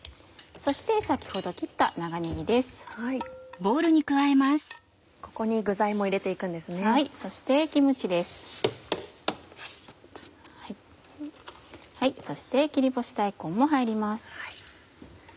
そして切り干し大根も入ります。